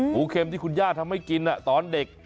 เค็มที่คุณย่าทำให้กินตอนเด็ก